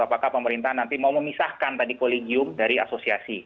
apakah pemerintah nanti mau memisahkan tadi kolegium dari asosiasi